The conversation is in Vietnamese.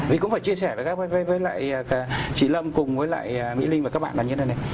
vì cũng phải chia sẻ với các chị lâm cùng với lại mỹ linh và các bạn là như thế này này